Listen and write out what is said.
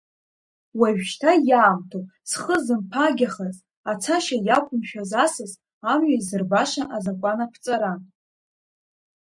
Уажәшьҭа иаамҭоуп зхы зымаԥагьахаз, ацашьа иақәымшәаз асас амҩа изырбаша азакәан аԥҵара.